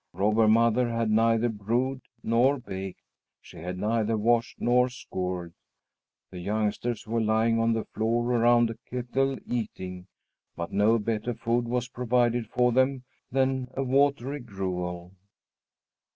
Robber Mother had neither brewed nor baked; she had neither washed nor scoured. The youngsters were lying on the floor around a kettle, eating; but no better food was provided for them than a watery gruel.